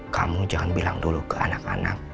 kamu jangan bilang dulu ke anak anak